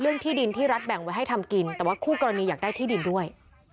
ที่ดินที่รัฐแบ่งไว้ให้ทำกินแต่ว่าคู่กรณีอยากได้ที่ดินด้วย